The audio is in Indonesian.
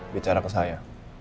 bicara ke saya